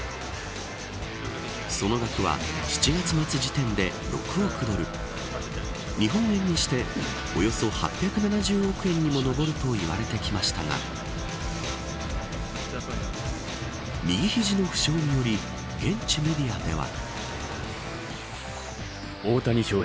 その額は７月末時点で６億ドル日本円にしておよそ８７０億円にも上ると言われてきましたが右肘の負傷により現地メディアでは。